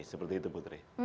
seperti itu putri